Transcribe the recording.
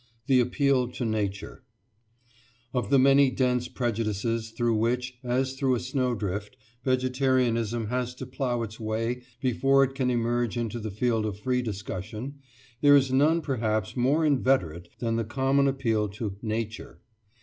THE APPEAL TO NATURE Of the many dense prejudices through which, as through a snowdrift, vegetarianism has to plough its way before it can emerge into the field of free discussion, there is none perhaps more inveterate than the common appeal to "Nature."